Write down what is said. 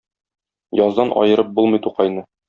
Яздан аерып булмый Тукайны!